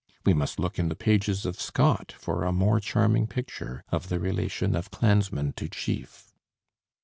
We must look in the pages of Scott for a more charming picture of the relation of clansman to chief.